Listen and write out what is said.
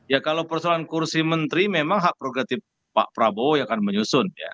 ya kalau persoalan kursi menteri memang hak progratif pak prabowo yang akan menyusun ya